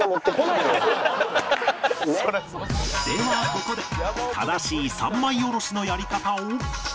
ではここで正しい三枚おろしのやり方を